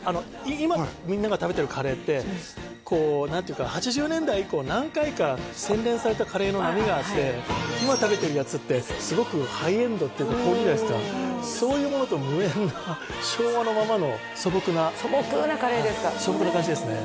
今みんなが食べてるカレーってこう何ていうか８０年代以降何回か洗練されたカレーの波があって今食べてるやつってすごくハイエンドっていうかそういうものとは無縁な昭和のままの素朴な素朴なカレーですか素朴な感じですね